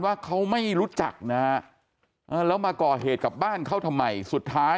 ว่าเขาไม่รู้จักนะฮะแล้วมาก่อเหตุกับบ้านเขาทำไมสุดท้าย